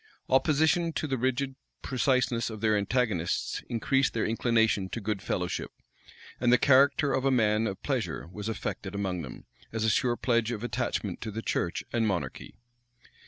Opposition to the rigid preciseness of their antagonists increased their inclination to good fellow ship; and the character of a man of pleasure was affected among them, as a sure pledge of attachment to the church and monarchy.